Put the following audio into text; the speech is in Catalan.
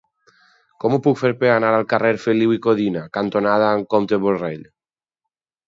Com ho puc fer per anar al carrer Feliu i Codina cantonada Comte Borrell?